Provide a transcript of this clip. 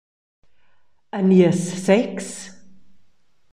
E nies sex?